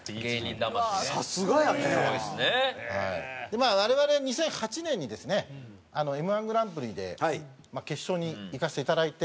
まあ我々は２００８年にですねＭ−１グランプリで決勝にいかせていただいて。